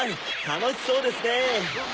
たのしそうですね。